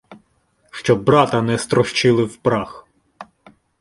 Щоб брата не строщили в прах.